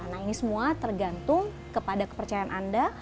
nah ini semua tergantung kepada kepercayaan anda